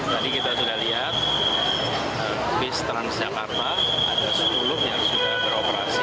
tadi kita sudah lihat bis transjakarta ada sepuluh yang sudah beroperasi